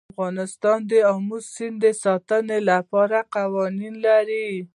افغانستان د آمو سیند د ساتنې لپاره قوانین لري.